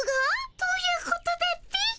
どういうことだっピ？